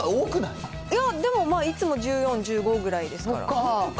いや、でもまあいつも１４、１５ぐらいですから。